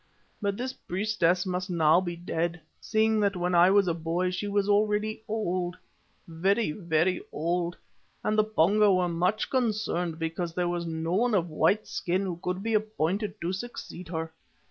But this priestess must now be dead, seeing that when I was a boy she was already old, very, very old, and the Pongo were much concerned because there was no one of white skin who could be appointed to succeed her.